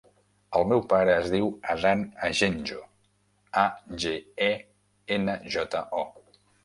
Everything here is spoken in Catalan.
El meu pare es diu Adán Agenjo: a, ge, e, ena, jota, o.